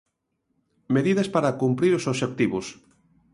Medidas para cumprir os obxectivos.